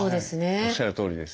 おっしゃるとおりです。